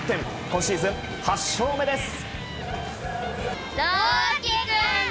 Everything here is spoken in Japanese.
今シーズン８勝目です。